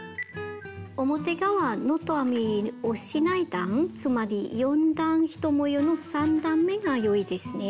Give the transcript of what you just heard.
表側ノット編みをしない段つまり４段１模様の３段めが良いですね。